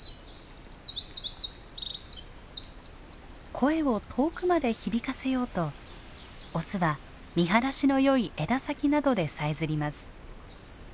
声を遠くまで響かせようとオスは見晴らしの良い枝先などでさえずります。